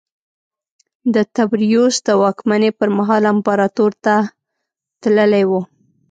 د تبریوس د واکمنۍ پرمهال امپراتور ته تللی و